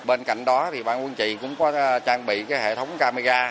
bên cạnh đó ban quân trì cũng có trang bị hệ thống camera